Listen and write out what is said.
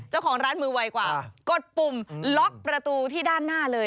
เจ้าของร้านมือไวกว่ากดปุ่มล็อกประตูที่ด้านหน้าเลย